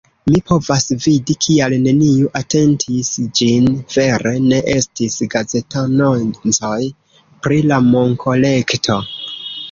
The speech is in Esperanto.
Mi povas vidi kial neniu atentis ĝin vere, ne estis gazetanoncoj pri la monkolekto